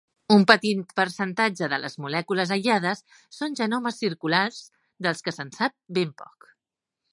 Un petit percentatge de les molècules aïllades són genomes circulars, dels que se'n sap ben poc.